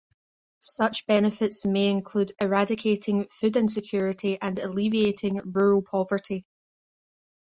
Such benefits may include eradicating food insecurity and alleviating rural poverty.